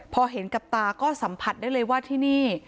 พอเห็นกับตาก็สัมผัสได้เลยว่าที่นี่